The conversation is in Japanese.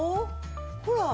ほら！